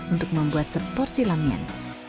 untuk membuat seporsi lamian